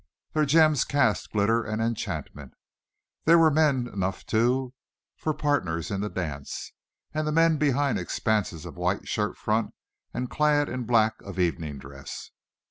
Their gems cast glitter and enchantment. There were men enough, too, for partners in the dance, the men behind expanses of white shirt front and clad in the black of evening dress.